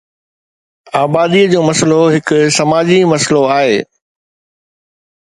آبادي جو مسئلو هڪ سماجي مسئلو آهي